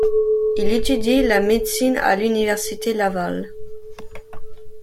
Il étudie la médecine à l'université Laval.